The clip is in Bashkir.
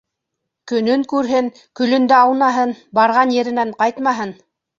Көнөн күрһен, көлөндә аунаһын, барған еренән ҡайтмаһын!